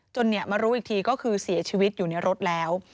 มารู้อีกทีก็คือเสียชีวิตอยู่ในรถแล้ว